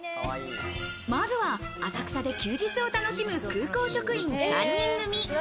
まずは浅草で休日を楽しむ空港職員３人組。